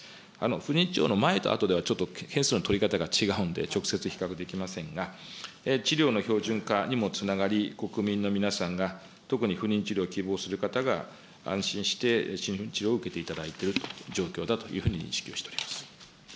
不妊治療の前と後では、ちょっと件数の取り方が違うんで、直接比較できませんが、治療の標準化にもつながり、国民の皆さんが特に不妊治療を希望する方が安心して治療を受けていただいているという状況だというふうに認識をしております。